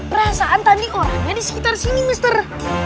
perasaan tadi orangnya di sekitar sini mr